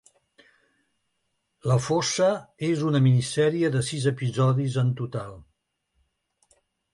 La fossa és una minisèrie de sis episodis en total.